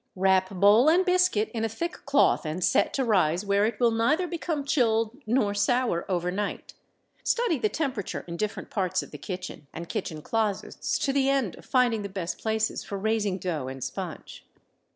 Wrap bowl and biscuit in a thick cloth and set to rise where it will neither become chilled nor sour over night. (Study the temperature in different parts of the kitchen and kitchen closets to the end of finding the best places for raising dough and sponge.)